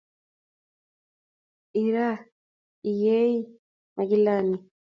Ira iyie magilani